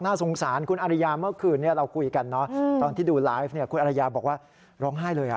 สงสารคุณอริยาเมื่อคืนนี้เราคุยกันเนอะตอนที่ดูไลฟ์คุณอรยาบอกว่าร้องไห้เลย